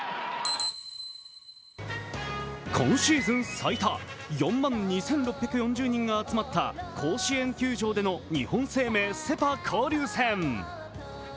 今シーズン最多、４万２６４０人が集まった甲子園球場での日本生命セ・パ交流戦。